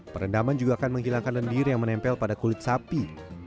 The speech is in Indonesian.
perendaman juga akan menghilangkan lendir yang menempel pada kulit sapi